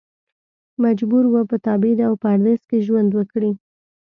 مجبور و په تبعید او پردیس کې ژوند وکړي.